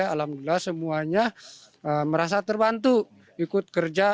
alhamdulillah semuanya merasa terbantu ikut kerja